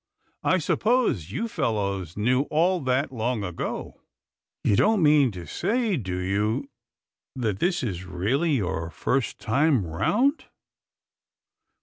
I supposed you fellows knew all that long ago. You don't mean to say, do you, that this is really your first time round?